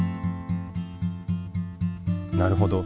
なるほど。